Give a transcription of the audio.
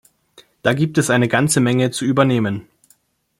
Da gibt es eine ganze Menge zu übernehmen.